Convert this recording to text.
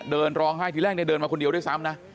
เดินร้องไห้ทีแรกเดินมาคนเดียวด้วยซ้ำนะ